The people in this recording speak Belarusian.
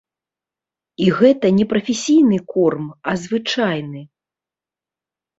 І гэта не прафесійны корм, а звычайны.